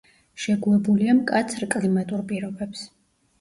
შეგუებულია მკაცრ კლიმატურ პირობებს.